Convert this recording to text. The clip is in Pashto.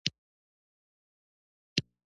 زه څنګه تاته د غريبۍ پېغور درکړم چې پخپله غريب يم.